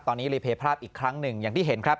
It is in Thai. ตอนนี้รีเพย์ภาพอีกครั้งหนึ่งอย่างที่เห็นครับ